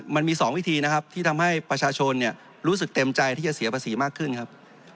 มันมี๒วิธีนะครับที่ทำให้ประชาชนรู้สึกเต็มใจที่จะเสียภาษีมากขึ้นครับ